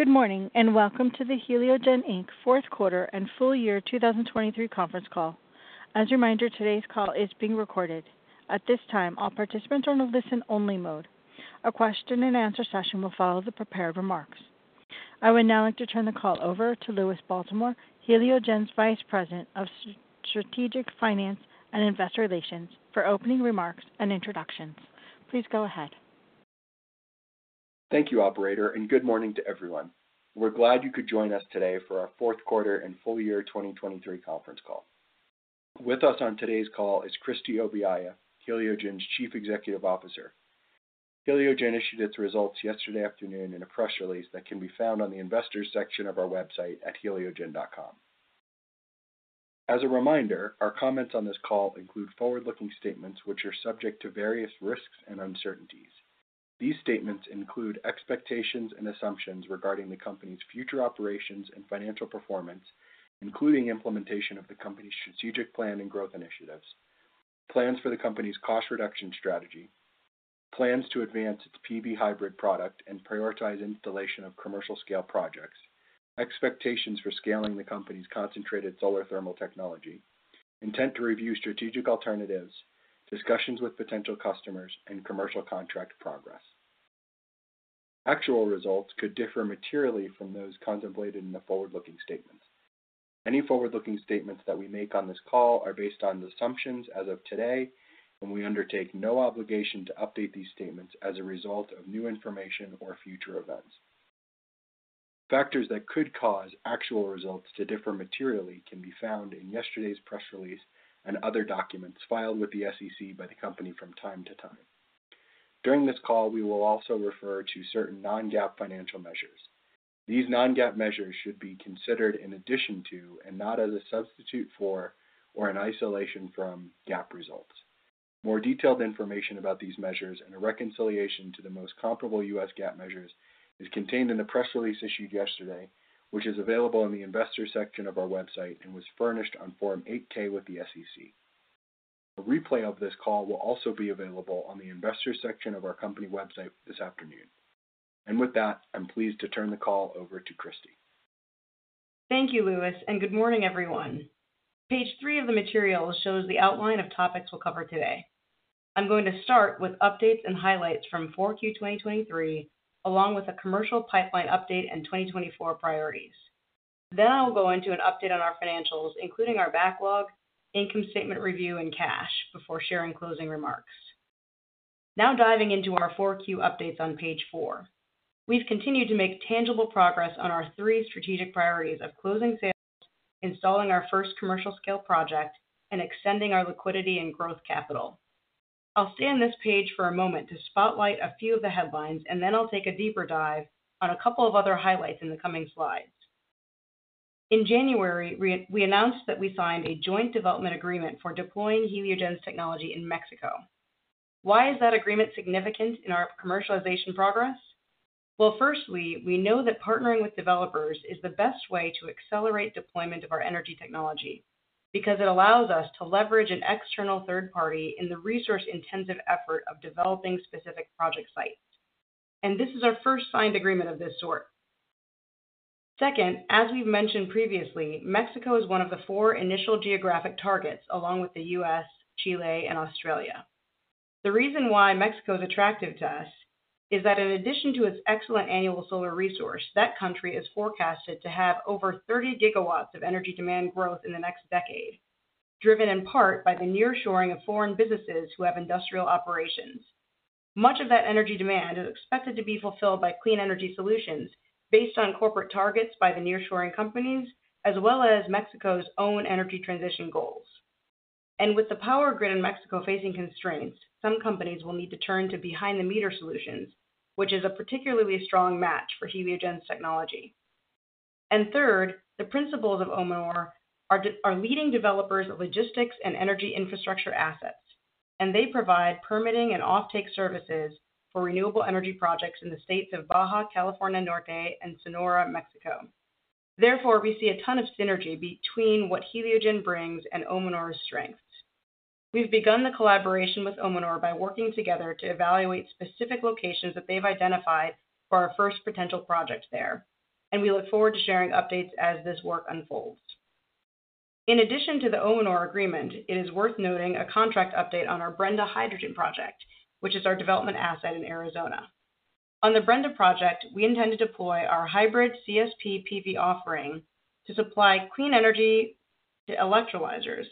Good morning and welcome to the Heliogen Inc. fourth quarter and full year 2023 conference call. As a reminder, today's call is being recorded. At this time, all participants are in a listen-only mode. A question-and-answer session will follow the prepared remarks. I would now like to turn the call over to Louis Baltimore, Heliogen's Vice President of Strategic Finance and Investor Relations, for opening remarks and introductions. Please go ahead. Thank you, operator, and good morning to everyone. We're glad you could join us today for our fourth quarter and full year 2023 conference call. With us on today's call is Christie Obiaya, Heliogen's Chief Executive Officer. Heliogen issued its results yesterday afternoon in a press release that can be found on the investors section of our website at heliogen.com. As a reminder, our comments on this call include forward-looking statements which are subject to various risks and uncertainties. These statements include expectations and assumptions regarding the company's future operations and financial performance, including implementation of the company's strategic plan and growth initiatives, plans for the company's cost reduction strategy, plans to advance its PV hybrid product and prioritize installation of commercial-scale projects, expectations for scaling the company's concentrated solar thermal technology, intent to review strategic alternatives, discussions with potential customers, and commercial contract progress. Actual results could differ materially from those contemplated in the forward-looking statements. Any forward-looking statements that we make on this call are based on the assumptions as of today, and we undertake no obligation to update these statements as a result of new information or future events. Factors that could cause actual results to differ materially can be found in yesterday's press release and other documents filed with the SEC by the company from time to time. During this call, we will also refer to certain non-GAAP financial measures. These non-GAAP measures should be considered in addition to and not as a substitute for or in isolation from GAAP results. More detailed information about these measures and a reconciliation to the most comparable U.S. GAAP measures is contained in the press release issued yesterday, which is available in the Investors section of our website and was furnished on Form 8-K with the SEC. A replay of this call will also be available on the Investors section of our company website this afternoon. And with that, I'm pleased to turn the call over to Christie. Thank you, Louis, and good morning, everyone. Page three of the materials shows the outline of topics we'll cover today. I'm going to start with updates and highlights from Q4 2023, along with a commercial pipeline update and 2024 priorities. Then I will go into an update on our financials, including our backlog, income statement review, and cash, before sharing closing remarks. Now diving into our Q4 updates on page four. We've continued to make tangible progress on our three strategic priorities of closing sales, installing our first commercial-scale project, and extending our liquidity and growth capital. I'll stay on this page for a moment to spotlight a few of the headlines, and then I'll take a deeper dive on a couple of other highlights in the coming slides. In January, we announced that we signed a joint development agreement for deploying Heliogen's technology in Mexico. Why is that agreement significant in our commercialization progress? Well, firstly, we know that partnering with developers is the best way to accelerate deployment of our energy technology because it allows us to leverage an external third party in the resource-intensive effort of developing specific project sites. This is our first signed agreement of this sort. Second, as we've mentioned previously, Mexico is one of the four initial geographic targets, along with the U.S., Chile, and Australia. The reason why Mexico is attractive to us is that in addition to its excellent annual solar resource, that country is forecasted to have over 30 GW of energy demand growth in the next decade, driven in part by the nearshoring of foreign businesses who have industrial operations. Much of that energy demand is expected to be fulfilled by clean energy solutions based on corporate targets by the nearshoring companies, as well as Mexico's own energy transition goals. With the power grid in Mexico facing constraints, some companies will need to turn to behind-the-meter solutions, which is a particularly strong match for Heliogen's technology. And third, the principals of Omanor are leading developers of logistics and energy infrastructure assets, and they provide permitting and offtake services for renewable energy projects in the states of Baja California and Sonora, Mexico. Therefore, we see a ton of synergy between what Heliogen brings and Omanor's strengths. We've begun the collaboration with Omanor by working together to evaluate specific locations that they've identified for our first potential project there, and we look forward to sharing updates as this work unfolds. In addition to the Omanor agreement, it is worth noting a contract update on our Brenda hydrogen project, which is our development asset in Arizona. On the Brenda project, we intend to deploy our hybrid CSP PV offering to supply clean energy to electrolyzers,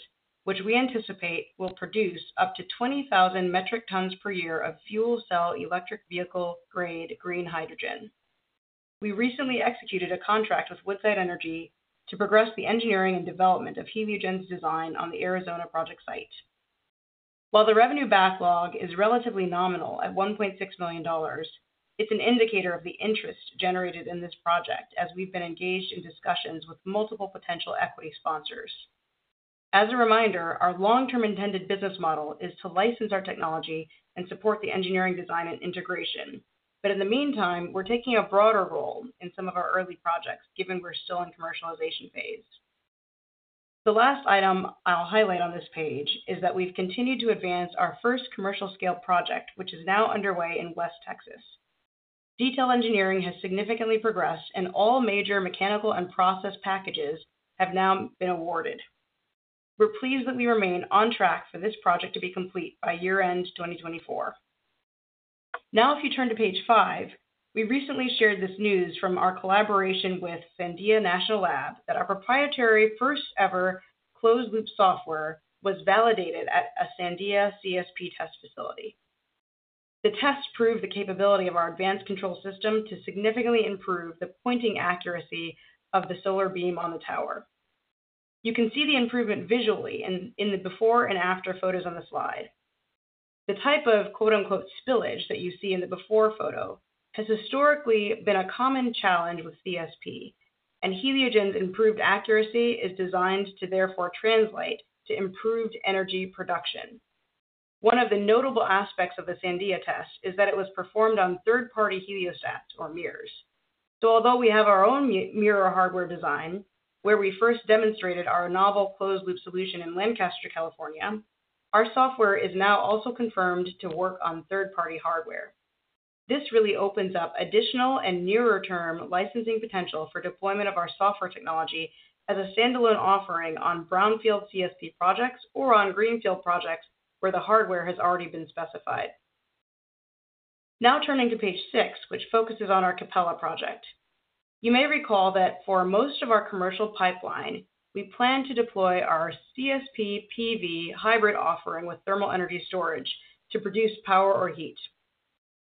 which we anticipate will produce up to 20,000 metric tons per year of fuel cell electric vehicle-grade green hydrogen. We recently executed a contract with Woodside Energy to progress the engineering and development of Heliogen's design on the Arizona project site. While the revenue backlog is relatively nominal at $1.6 million, it's an indicator of the interest generated in this project as we've been engaged in discussions with multiple potential equity sponsors. As a reminder, our long-term intended business model is to license our technology and support the engineering design and integration, but in the meantime, we're taking a broader role in some of our early projects given we're still in commercialization phase. The last item I'll highlight on this page is that we've continued to advance our first commercial-scale project, which is now underway in West Texas. Detail engineering has significantly progressed, and all major mechanical and process packages have now been awarded. We're pleased that we remain on track for this project to be complete by year-end 2024. Now, if you turn to page 5, we recently shared this news from our collaboration with Sandia National Lab that our proprietary first-ever closed-loop software was validated at a Sandia CSP test facility. The test proved the capability of our advanced control system to significantly improve the pointing accuracy of the solar beam on the tower. You can see the improvement visually in the before and after photos on the slide. The type of "spillage" that you see in the before photo has historically been a common challenge with CSP, and Heliogen's improved accuracy is designed to therefore translate to improved energy production. One of the notable aspects of the Sandia test is that it was performed on third-party heliostats, or mirrors. So although we have our own mirror hardware design, where we first demonstrated our novel closed-loop solution in Lancaster, California, our software is now also confirmed to work on third-party hardware. This really opens up additional and nearer-term licensing potential for deployment of our software technology as a standalone offering on brownfield CSP projects or on greenfield projects where the hardware has already been specified. Now turning to page six, which focuses on our Capella project. You may recall that for most of our commercial pipeline, we plan to deploy our CSP PV hybrid offering with thermal energy storage to produce power or heat.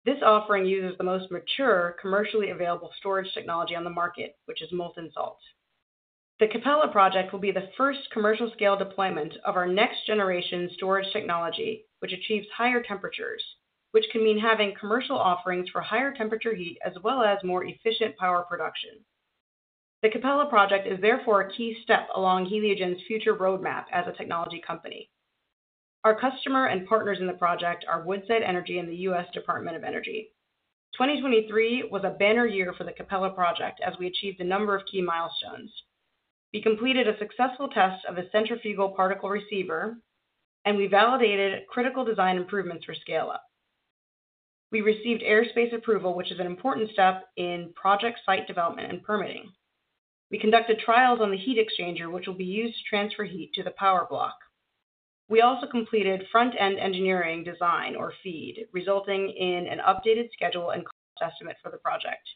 This offering uses the most mature commercially available storage technology on the market, which is molten salt. The Capella project will be the first commercial-scale deployment of our next-generation storage technology, which achieves higher temperatures, which can mean having commercial offerings for higher temperature heat as well as more efficient power production. The Capella project is therefore a key step along Heliogen's future roadmap as a technology company. Our customer and partners in the project are Woodside Energy and the U.S. Department of Energy. 2023 was a banner year for the Capella project as we achieved a number of key milestones. We completed a successful test of a centrifugal particle receiver, and we validated critical design improvements for scale-up. We received airspace approval, which is an important step in project site development and permitting. We conducted trials on the heat exchanger, which will be used to transfer heat to the power block. We also completed front-end engineering design, or feed, resulting in an updated schedule and cost estimate for the project.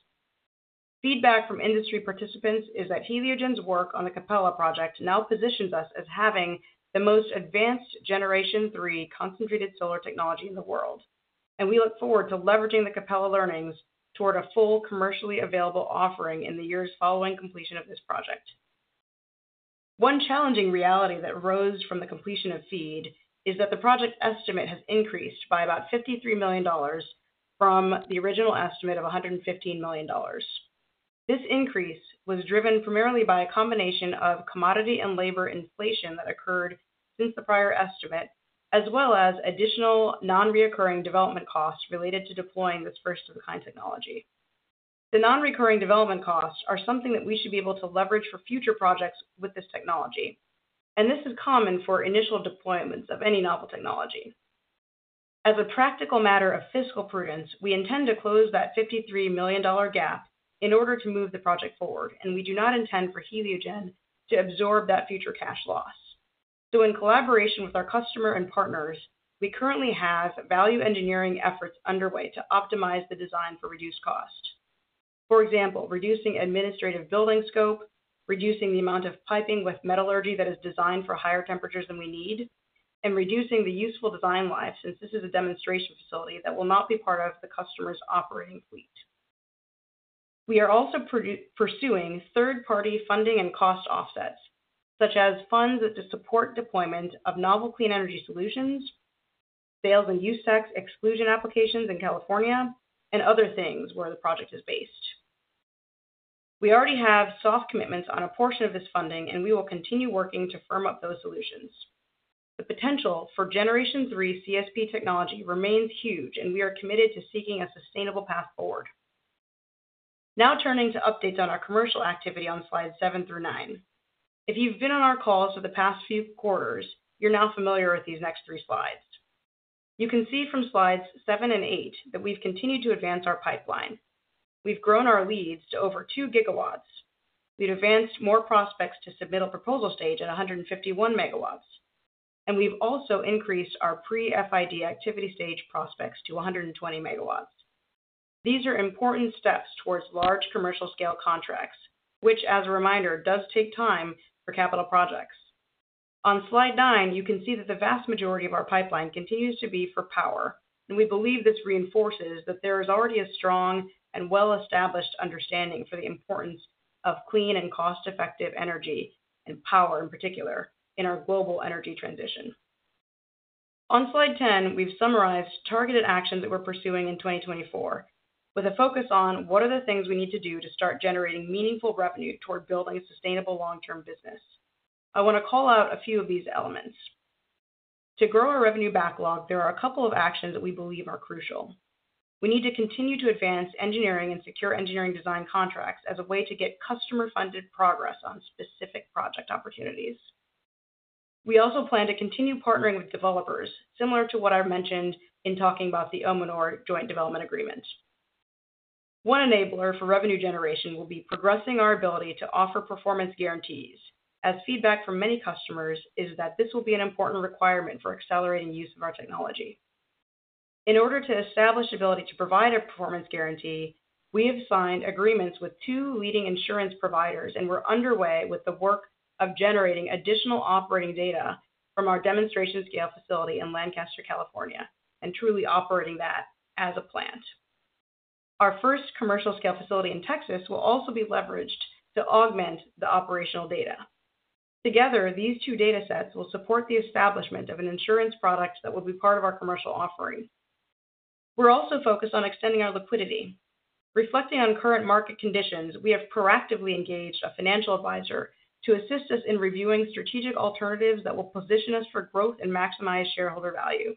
Feedback from industry participants is that Heliogen's work on the Capella project now positions us as having the most advanced Generation 3 concentrated solar technology in the world, and we look forward to leveraging the Capella learnings toward a full commercially available offering in the years following completion of this project. One challenging reality that rose from the completion of FEED is that the project estimate has increased by about $53 million from the original estimate of $115 million. This increase was driven primarily by a combination of commodity and labor inflation that occurred since the prior estimate, as well as additional non-recurring development costs related to deploying this first-of-the-kind technology. The non-recurring development costs are something that we should be able to leverage for future projects with this technology, and this is common for initial deployments of any novel technology. As a practical matter of fiscal prudence, we intend to close that $53 million gap in order to move the project forward, and we do not intend for Heliogen to absorb that future cash loss. In collaboration with our customer and partners, we currently have value engineering efforts underway to optimize the design for reduced cost. For example, reducing administrative building scope, reducing the amount of piping with metallurgy that is designed for higher temperatures than we need, and reducing the useful design life since this is a demonstration facility that will not be part of the customer's operating fleet. We are also pursuing third-party funding and cost offsets, such as funds to support deployment of novel clean energy solutions, sales and use tax exclusion applications in California, and other things where the project is based. We already have soft commitments on a portion of this funding, and we will continue working to firm up those solutions. The potential for Generation 3 CSP technology remains huge, and we are committed to seeking a sustainable path forward. Now turning to updates on our commercial activity on slides nine through nine. If you've been on our calls for the past few quarters, you're now familiar with these next three slides. You can see from slides seven and eight that we've continued to advance our pipeline. We've grown our leads to over 2 GW. We've advanced more prospects to submittal proposal stage at 151 MW, and we've also increased our pre-FID activity stage prospects to 120 MW. These are important steps towards large commercial-scale contracts, which, as a reminder, does take time for capital projects. On slide nine, you can see that the vast majority of our pipeline continues to be for power, and we believe this reinforces that there is already a strong and well-established understanding for the importance of clean and cost-effective energy, and power in particular, in our global energy transition. On slide 10, we've summarized targeted actions that we're pursuing in 2024, with a focus on what are the things we need to do to start generating meaningful revenue toward building a sustainable long-term business. I want to call out a few of these elements. To grow our revenue backlog, there are a couple of actions that we believe are crucial. We need to continue to advance engineering and secure engineering design contracts as a way to get customer-funded progress on specific project opportunities. We also plan to continue partnering with developers, similar to what I mentioned in talking about the Omanor joint development agreement. One enabler for revenue generation will be progressing our ability to offer performance guarantees, as feedback from many customers is that this will be an important requirement for accelerating use of our technology. In order to establish the ability to provide a performance guarantee, we have signed agreements with two leading insurance providers, and we're underway with the work of generating additional operating data from our demonstration-scale facility in Lancaster, California, and truly operating that as a plant. Our first commercial-scale facility in Texas will also be leveraged to augment the operational data. Together, these two data sets will support the establishment of an insurance product that will be part of our commercial offering. We're also focused on extending our liquidity. Reflecting on current market conditions, we have proactively engaged a financial advisor to assist us in reviewing strategic alternatives that will position us for growth and maximize shareholder value.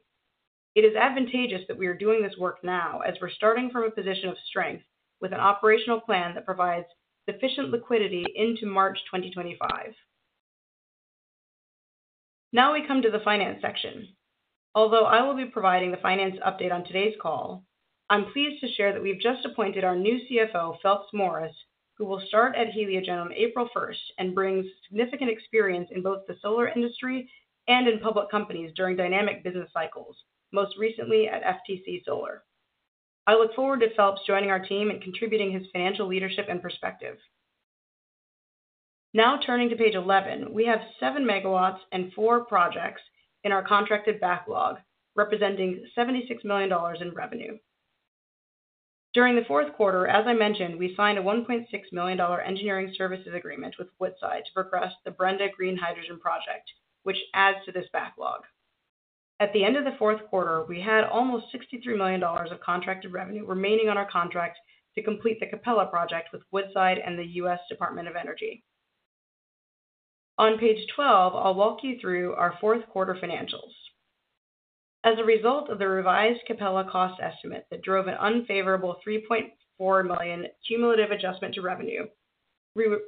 It is advantageous that we are doing this work now, as we're starting from a position of strength with an operational plan that provides sufficient liquidity into March 2025. Now we come to the finance section. Although I will be providing the finance update on today's call, I'm pleased to share that we've just appointed our new CFO, Phelps Morris, who will start at Heliogen on April 1st and brings significant experience in both the solar industry and in public companies during dynamic business cycles, most recently at FTC Solar. I look forward to Phelps joining our team and contributing his financial leadership and perspective. Now turning to page 11, we have 7 MW and four projects in our contracted backlog, representing $76 million in revenue. During the fourth quarter, as I mentioned, we signed a $1.6 million engineering services agreement with Woodside to progress the Brenda green hydrogen project, which adds to this backlog. At the end of the fourth quarter, we had almost $63 million of contracted revenue remaining on our contract to complete the Capella project with Woodside and the U.S. Department of Energy. On page 12, I'll walk you through our fourth quarter financials. As a result of the revised Capella cost estimate that drove an unfavorable $3.4 million cumulative adjustment to revenue,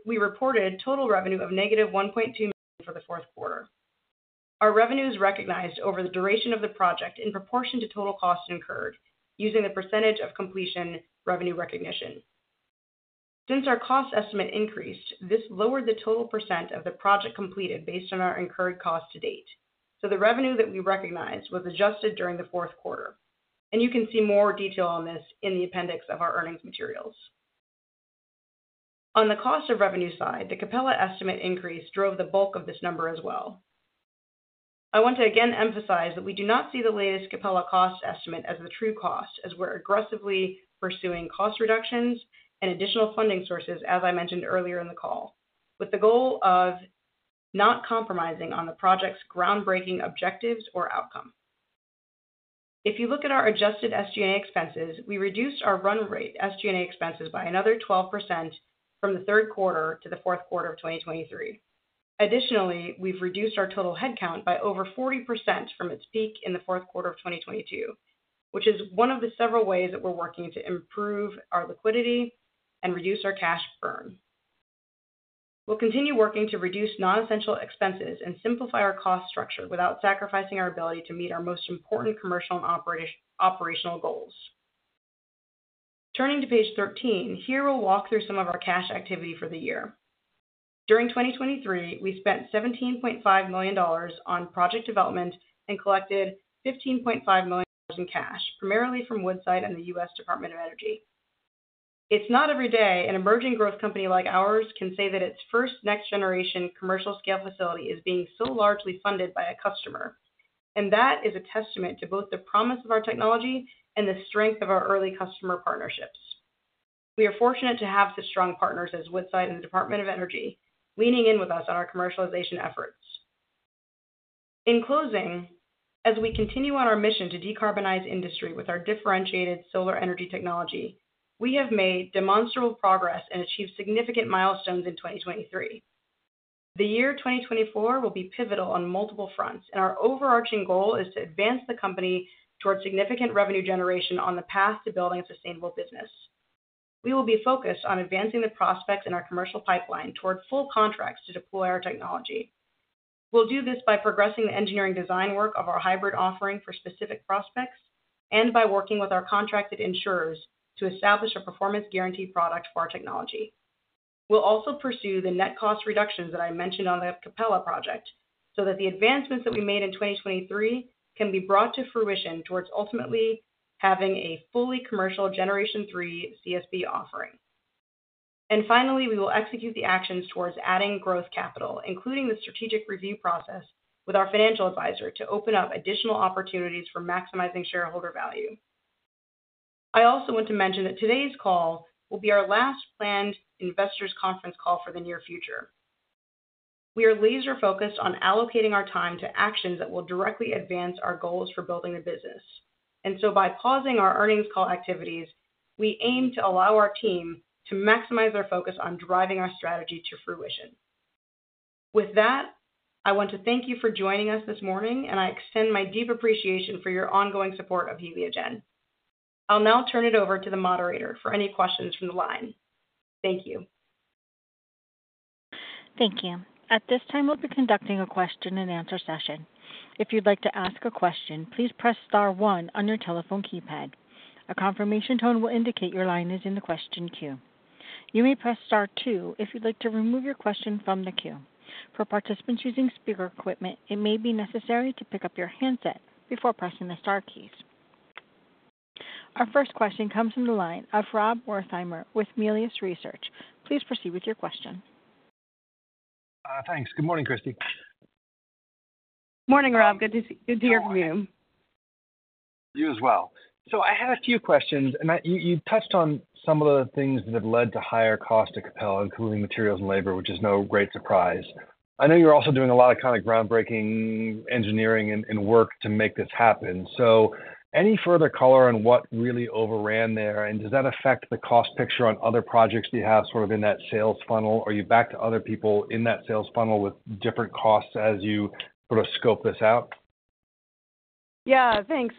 we reported total revenue of negative $1.2 million for the fourth quarter. Our revenue is recognized over the duration of the project in proportion to total costs incurred, using the percentage of completion revenue recognition. Since our cost estimate increased, this lowered the total percent of the project completed based on our incurred costs to date, so the revenue that we recognized was adjusted during the fourth quarter, and you can see more detail on this in the appendix of our earnings materials. On the cost of revenue side, the Capella estimate increase drove the bulk of this number as well. I want to again emphasize that we do not see the latest Capella cost estimate as the true cost, as we're aggressively pursuing cost reductions and additional funding sources, as I mentioned earlier in the call, with the goal of not compromising on the project's groundbreaking objectives or outcome. If you look at our adjusted SG&A expenses, we reduced our run rate SG&A expenses by another 12% from the third quarter to the fourth quarter of 2023. Additionally, we've reduced our total headcount by over 40% from its peak in the fourth quarter of 2022, which is one of the several ways that we're working to improve our liquidity and reduce our cash burn. We'll continue working to reduce non-essential expenses and simplify our cost structure without sacrificing our ability to meet our most important commercial and operational goals. Turning to page 13, here we'll walk through some of our cash activity for the year. During 2023, we spent $17.5 million on project development and collected $15.5 million in cash, primarily from Woodside and the U.S. Department of Energy. It's not every day an emerging growth company like ours can say that its first next-generation commercial-scale facility is being so largely funded by a customer, and that is a testament to both the promise of our technology and the strength of our early customer partnerships. We are fortunate to have such strong partners as Woodside and the Department of Energy, leaning in with us on our commercialization efforts. In closing, as we continue on our mission to decarbonize industry with our differentiated solar energy technology, we have made demonstrable progress and achieved significant milestones in 2023. The year 2024 will be pivotal on multiple fronts, and our overarching goal is to advance the company toward significant revenue generation on the path to building a sustainable business. We will be focused on advancing the prospects in our commercial pipeline toward full contracts to deploy our technology. We'll do this by progressing the engineering design work of our hybrid offering for specific prospects and by working with our contracted insurers to establish a performance guarantee product for our technology. We'll also pursue the net cost reductions that I mentioned on the Capella project so that the advancements that we made in 2023 can be brought to fruition towards ultimately having a fully commercial Generation 3 CSP offering. Finally, we will execute the actions towards adding growth capital, including the strategic review process with our financial advisor to open up additional opportunities for maximizing shareholder value. I also want to mention that today's call will be our last planned investors' conference call for the near future. We are laser-focused on allocating our time to actions that will directly advance our goals for building the business, and so by pausing our earnings call activities, we aim to allow our team to maximize their focus on driving our strategy to fruition. With that, I want to thank you for joining us this morning, and I extend my deep appreciation for your ongoing support of Heliogen. I'll now turn it over to the moderator for any questions from the line. Thank you. Thank you. At this time, we'll be conducting a question-and-answer session. If you'd like to ask a question, please press star one on your telephone keypad. A confirmation tone will indicate your line is in the question queue. You may press star two if you'd like to remove your question from the queue. For participants using speaker equipment, it may be necessary to pick up your handset before pressing the star keys. Our first question comes from the line of Rob Wertheimer with Melius Research. Please proceed with your question. Thanks. Good morning, Christie. Morning, Rob. Good to hear from you. You as well. I had a few questions, and you touched on some of the things that have led to higher costs to Capella, including materials and labor, which is no great surprise. I know you're also doing a lot of kind of groundbreaking engineering and work to make this happen. Any further color on what really overran there, and does that affect the cost picture on other projects that you have sort of in that sales funnel? Are you back to other people in that sales funnel with different costs as you sort of scope this out? Yeah, thanks.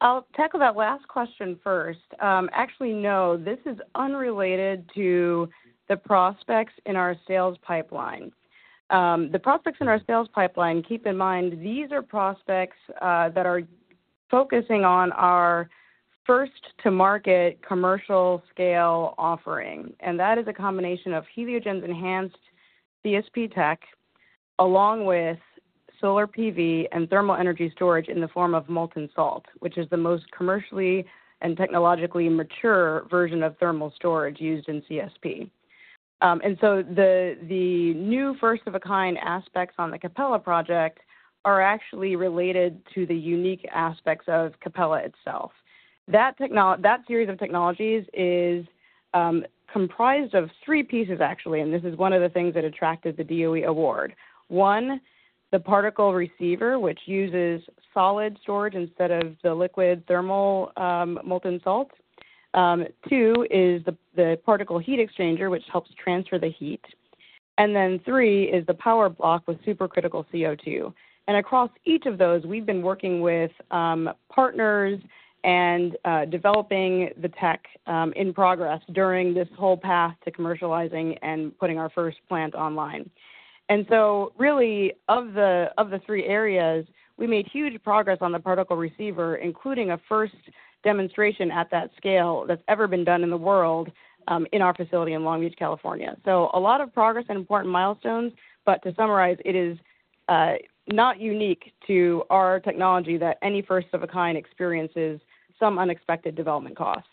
I'll tackle that last question first. Actually, no, this is unrelated to the prospects in our sales pipeline. The prospects in our sales pipeline, keep in mind, these are prospects that are focusing on our first-to-market commercial-scale offering, and that is a combination of Heliogen's enhanced CSP tech along with solar PV and thermal energy storage in the form of molten salt, which is the most commercially and technologically mature version of thermal storage used in CSP. And so the new first-of-a-kind aspects on the Capella project are actually related to the unique aspects of Capella itself. That series of technologies is comprised of three pieces, actually, and this is one of the things that attracted the DOE award. One, the particle receiver, which uses solid storage instead of the liquid thermal molten salt. Two is the particle heat exchanger, which helps transfer the heat. And then three is the power block with supercritical CO2. And across each of those, we've been working with partners and developing the tech in progress during this whole path to commercializing and putting our first plant online. And so really, of the three areas, we made huge progress on the particle receiver, including a first demonstration at that scale that's ever been done in the world in our facility in Long Beach, California. So a lot of progress and important milestones, but to summarize, it is not unique to our technology that any first-of-a-kind experiences some unexpected development cost.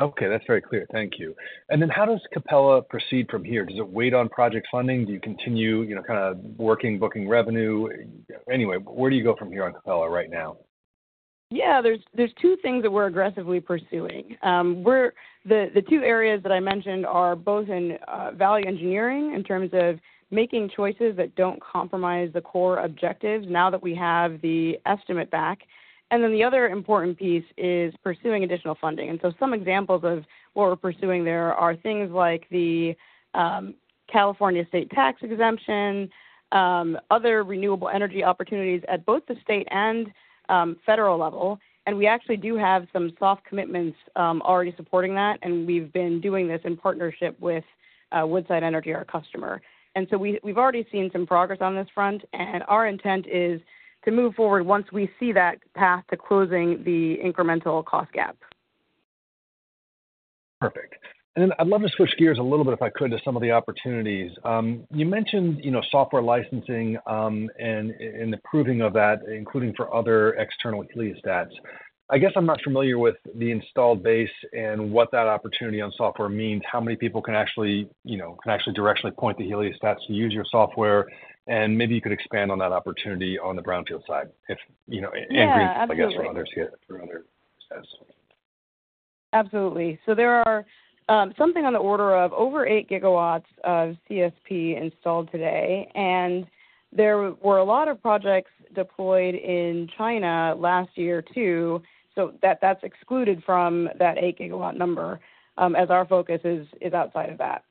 Okay, that's very clear. Thank you. And then how does Capella proceed from here? Does it wait on project funding? Do you continue kind of working, booking revenue? Anyway, where do you go from here on Capella right now? Yeah, there's two things that we're aggressively pursuing. The two areas that I mentioned are both in value engineering in terms of making choices that don't compromise the core objectives now that we have the estimate back. And then the other important piece is pursuing additional funding. And so some examples of what we're pursuing there are things like the California state tax exemption, other renewable energy opportunities at both the state and federal level. And we actually do have some soft commitments already supporting that, and we've been doing this in partnership with Woodside Energy, our customer. And so we've already seen some progress on this front, and our intent is to move forward once we see that path to closing the incremental cost gap. Perfect. Then I'd love to switch gears a little bit, if I could, to some of the opportunities. You mentioned software licensing and improving of that, including for other external heliostats. I guess I'm not familiar with the installed base and what that opportunity on software means, how many people can actually directly point the heliostats to use your software, and maybe you could expand on that opportunity on the brownfield side, and greenfield, I guess, for others here. Absolutely. So there are something on the order of over 8 GW of CSP installed today, and there were a lot of projects deployed in China last year too, so that's excluded from that 8 GW number as our focus is outside of that.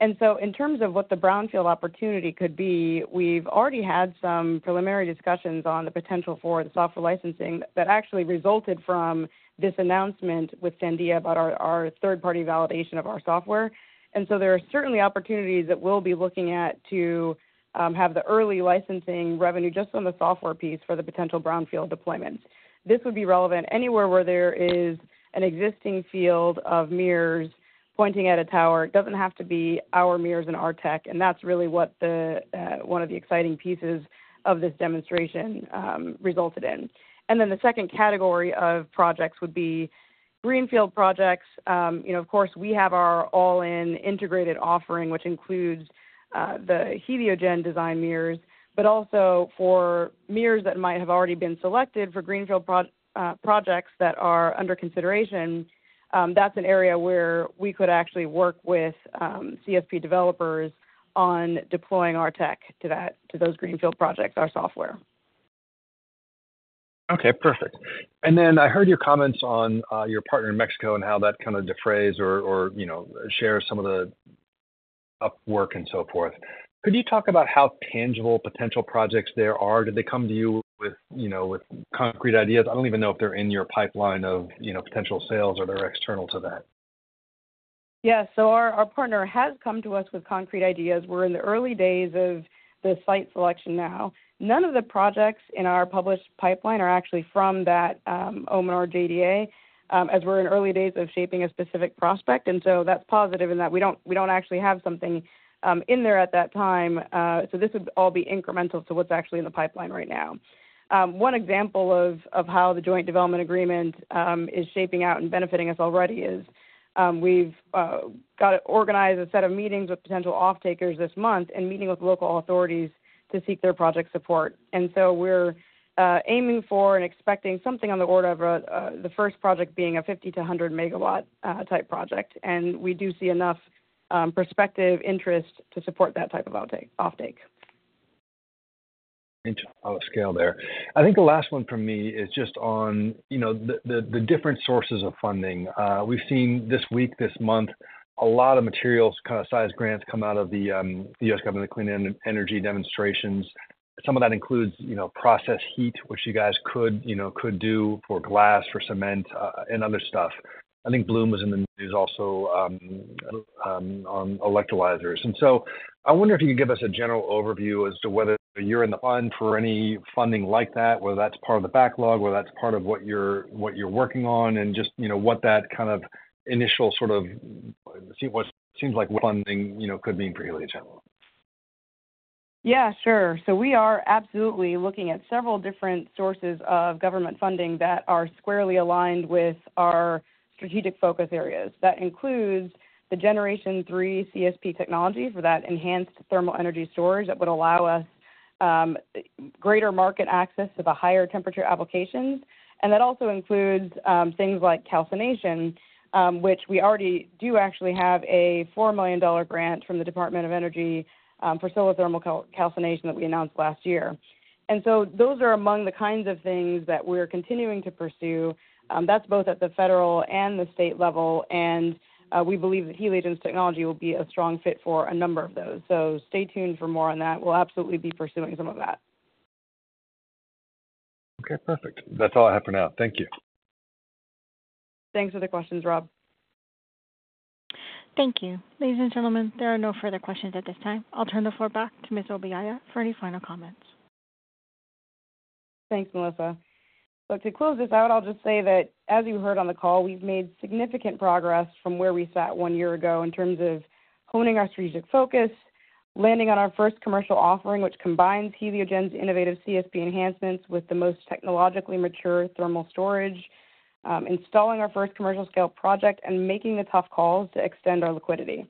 And so in terms of what the brownfield opportunity could be, we've already had some preliminary discussions on the potential for the software licensing that actually resulted from this announcement with Sandia about our third-party validation of our software. And so there are certainly opportunities that we'll be looking at to have the early licensing revenue just on the software piece for the potential brownfield deployments. This would be relevant anywhere where there is an existing field of mirrors pointing at a tower. It doesn't have to be our mirrors and our tech, and that's really one of the exciting pieces of this demonstration resulted in. Then the second category of projects would be greenfield projects. Of course, we have our all-in integrated offering, which includes the Heliogen design mirrors, but also for mirrors that might have already been selected for greenfield projects that are under consideration, that's an area where we could actually work with CSP developers on deploying our tech to those greenfield projects, our software. Okay, perfect. Then I heard your comments on your partner in Mexico and how that kind of de-risked or shared some of the upside and so forth. Could you talk about how tangible potential projects there are? Do they come to you with concrete ideas? I don't even know if they're in your pipeline of potential sales or they're external to that. Yeah, so our partner has come to us with concrete ideas. We're in the early days of the site selection now. None of the projects in our published pipeline are actually from that Omanor JDA as we're in early days of shaping a specific prospect, and so that's positive in that we don't actually have something in there at that time. So this would all be incremental to what's actually in the pipeline right now. One example of how the joint development agreement is shaping out and benefiting us already is we've got to organize a set of meetings with potential off-takers this month and meeting with local authorities to seek their project support. We're aiming for and expecting something on the order of the first project being a 50 MW-100 MW type project, and we do see enough prospective interest to support that type of offtake. Interesting scale there. I think the last one for me is just on the different sources of funding. We've seen this week, this month, a lot of materials kind of size grants come out of the U.S. government, the Clean Energy demonstrations. Some of that includes process heat, which you guys could do for glass, for cement, and other stuff. I think Bloom was in the news also on electrolyzers. And so I wonder if you could give us a general overview as to whether you're in the fund for any funding like that, whether that's part of the backlog, whether that's part of what you're working on, and just what that kind of initial sort of what seems like funding could mean for Heliogen. Yeah, sure. So we are absolutely looking at several different sources of government funding that are squarely aligned with our strategic focus areas. That includes the Generation 3 CSP technology for that enhanced thermal energy storage that would allow us greater market access to the higher temperature applications. And that also includes things like calcination, which we already do actually have a $4 million grant from the Department of Energy for solar thermal calcination that we announced last year. And so those are among the kinds of things that we're continuing to pursue. That's both at the federal and the state level, and we believe that Heliogen's technology will be a strong fit for a number of those. So stay tuned for more on that. We'll absolutely be pursuing some of that. Okay, perfect. That's all I have for now. Thank you. Thanks for the questions, Rob. Thank you. Ladies and gentlemen, there are no further questions at this time. I'll turn the floor back to Ms. Obiaya for any final comments. Thanks, Melissa. To close this out, I'll just say that as you heard on the call, we've made significant progress from where we sat one year ago in terms of honing our strategic focus, landing on our first commercial offering, which combines Heliogen's innovative CSP enhancements with the most technologically mature thermal storage, installing our first commercial-scale project, and making the tough calls to extend our liquidity.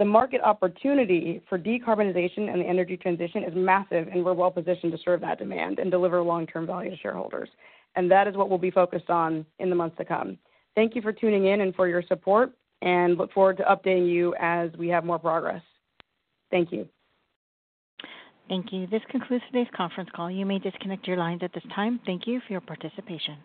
The market opportunity for decarbonization and the energy transition is massive, and we're well-positioned to serve that demand and deliver long-term value to shareholders. That is what we'll be focused on in the months to come. Thank you for tuning in and for your support, and look forward to updating you as we have more progress. Thank you. Thank you. This concludes today's conference call. You may disconnect your lines at this time. Thank you for your participation.